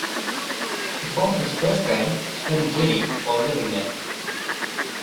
He formed his first band, Spinning Jenny, while living there.